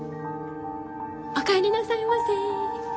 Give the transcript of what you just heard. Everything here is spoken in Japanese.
おかえりなさいませ。